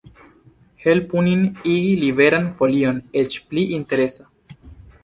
Helpu nin igi Liberan Folion eĉ pli interesa!